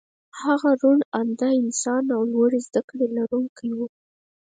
هغه روڼ انده انسان او لوړې زدکړې لرونکی و